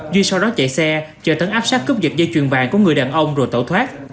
duy sau đó chạy xe chờ tấn áp sát cướp giật dây chuyền vàng của người đàn ông rồi tẩu thoát